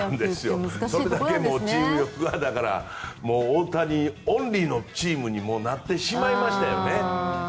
チーム力が大谷オンリーのチームになってしまいましたよね。